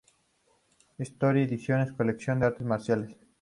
Satori Ediciones, Colección Artes Marciales.